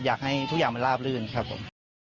อยากให้ทุกอย่างมันลาบลื่นครับผม